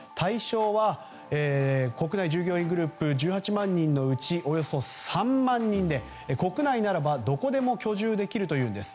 対象は、国内従業員グループ１８万人のうちおよそ３万人で国内ならば、どこでも居住できるというんです。